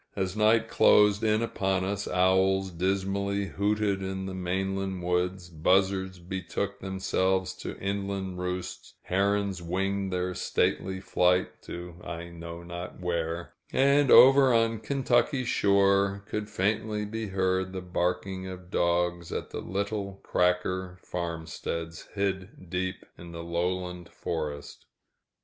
As night closed in upon us, owls dismally hooted in the mainland woods, buzzards betook themselves to inland roosts, herons winged their stately flight to I know not where, and over on the Kentucky shore could faintly be heard the barking of dogs at the little "cracker" farmsteads hid deep in the lowland forest.